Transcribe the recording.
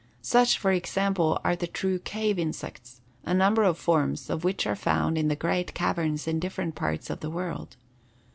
Such, for example, are the true cave insects, a number of forms of which are found in the great caverns in different parts of the world.